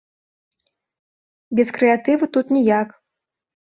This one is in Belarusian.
Без крэатыву тут ніяк.